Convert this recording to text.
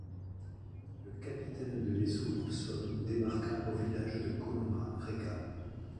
Le capitaine de vaisseau Hobson débarqua au village de Konora-Reka.